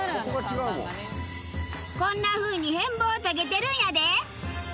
こんなふうに変貌を遂げてるんやで。